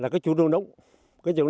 cái chuyện đó đúng